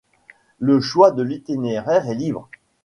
Le choix de l'itinéraire est libre.